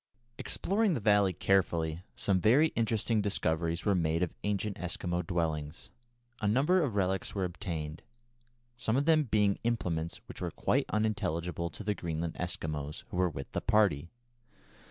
Exploring the valley carefully, some very interesting discoveries were made of ancient Eskimo dwellings. A number of relics were obtained, some of them being implements which were quite unintelligible to the Greenland Eskimos who were with the party.